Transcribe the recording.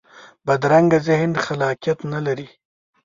بدرنګه ذهن خلاقیت نه لري